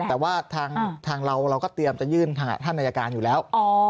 แต่ว่าทางเราเราก็เตรียมจะยื่นท่านอายการอยู่แล้ว